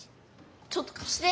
ちょっとかして。